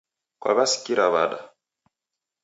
Kwaw'asikira wada?